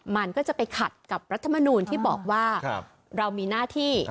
มันก็จะไปขัดกับรัฐมนูลที่บอกว่าเรามีหน้าที่